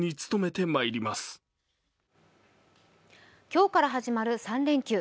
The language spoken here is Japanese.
今日から始まる３連休。